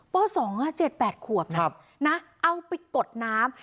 ป๒๗๘ขวบนะเอาไปกดน้ำ